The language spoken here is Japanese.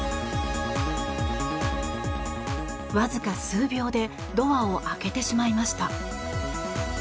わずか数秒でドアを開けてしまいました。